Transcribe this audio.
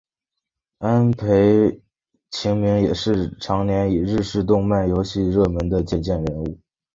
安倍晴明也是长年以来日式动漫游戏热门的借鉴人物。